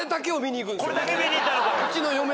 これだけ見に行ったのか。